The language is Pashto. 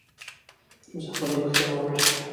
مسافر یې پوښتنه یې وکړه.